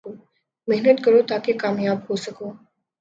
محنت کرو تا کہ کامیاب ہو سکو